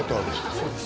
そうです